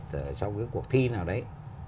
trong cái cuộc thi nào đấy